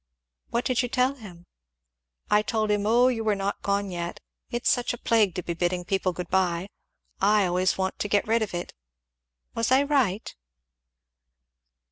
"What did you tell him?" "I told him, 'O you were not gone yet!' it's such a plague to be bidding people good bye I always want to get rid of it. Was I right?"